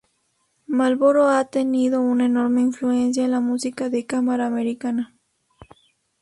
Marlboro ha tenido una enorme influencia en la música de cámara americana.